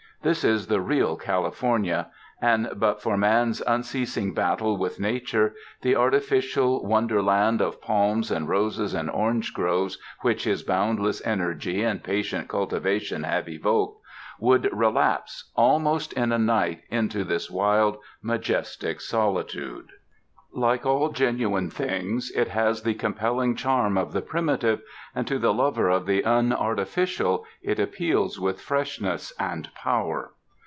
This is the real California; and but for man's un ceasing battle with Nature, the artificial wonder land of palms and roses and orange groves which his boundless energy and patient cultivation have evoked, would relapse almost in a night into this wild, majestic solitude. Like all genuine things, it has the compelling charm of the primitive and to the lover of the unartificial it appeals with fresh ness and power.